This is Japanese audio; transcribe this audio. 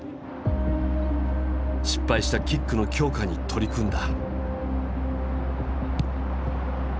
失敗したキックの強化に取り組んだ。